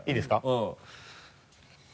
うん。